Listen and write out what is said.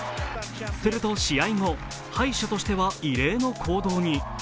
すると試合後、敗者としては異例の行動に。